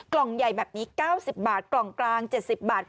กล่องใหญ่แบบนี้๙๐บาทกล่องกลาง๗๐บาท